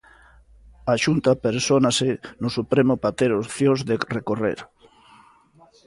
"A Xunta persónase no Supremo para ter opcións de recorrer".